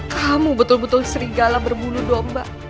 kamu betul betul serigala berbulu domba